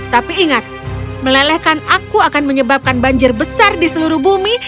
tapi ingat melelehkan aku akan menyebabkan banjir besar di seluruh bumi